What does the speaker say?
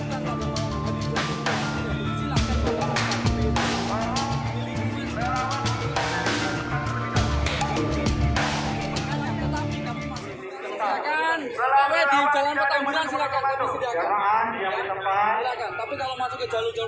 silakan disini kami amankan